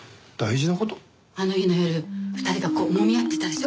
あの日の夜２人がこうもみ合ってたでしょ